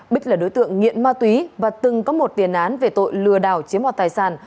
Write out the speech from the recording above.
bích là đối tượng nghiện ma túy và từng có một tiền án về tội lừa đảo chiếm hoạt tài sản